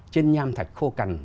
trên nham thạch khô cằn